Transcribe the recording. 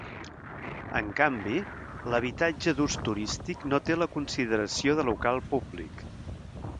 En canvi, l'habitatge d'ús turístic no té la consideració de local públic.